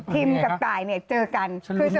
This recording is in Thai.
ทิมกับตายเจอกัน